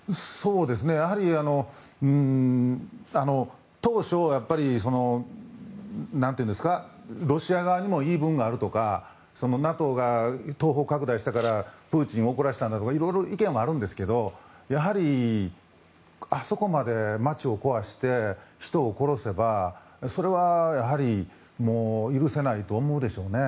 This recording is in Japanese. やはり、当初ロシア側にも言い分があるとかＮＡＴＯが東方拡大したからプーチンを怒らせたとかいろいろ意見はあるんですけどやはり、あそこまで街を壊して人を殺せば、それは許せないと思うでしょうね。